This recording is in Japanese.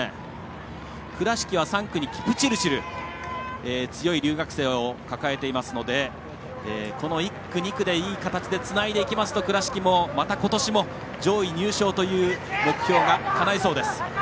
倉敷は３区にキプチルチル強い留学生を抱えていますのでこの１区、２区でいい形でつないでいきますと倉敷も上位入賞という目標がかないそうです。